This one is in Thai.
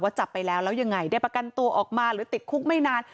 จับไปแล้วแล้วยังไงได้ประกันตัวออกมาหรือติดคุกไม่นาน